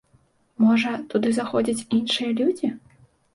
Можа, туды заходзяць іншыя людзі?